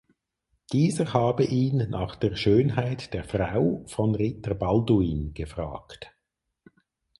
Dieser habe ihn nach der Schönheit der Frau von Ritter Balduin gefragt.